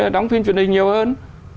đóng phim truyền hình nhiều hơn